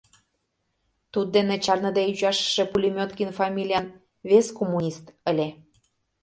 Туддене чарныде ӱчашыше Пулеметкин фамилиян вес коммунист ыле.